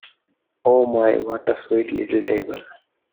Oh my, what a sweet little table!